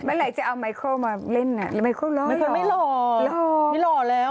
เมื่อไหร่จะเอาไมค์โครมาเล่นไอ้ไมค์โครไม่หรอไม่หรอไม่หรอแล้ว